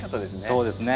そうですね。